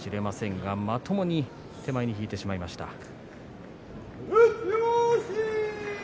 まともに手前に引いてしまいました。